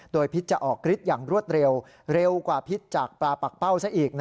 โดยพิษจะออกฤทธิ์อย่างรวดเร็วเร็วกว่าพิษจากปลาปากเป้าซะอีก